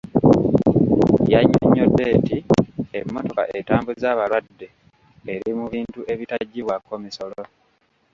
Yannyonnyodde nti emmotoka etambuza abalwadde eri mu bintu ebitaggyibwako misolo.